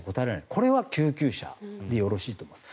これは救急車でよろしいと思います。